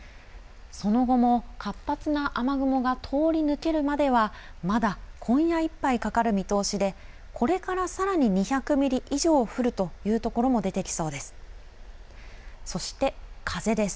その後も活発な雨雲が通り抜けるまではまだ今夜いっぱいかかる見通しで、これからさらに２００ミリ以上降るというところも出てきそうです。